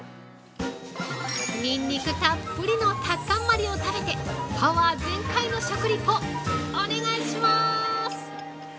◆ニンニクたっぷりのタッカンマリを食べてパワー全開の食リポお願いします！！